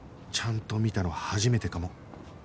ちゃんと見たの初めてかも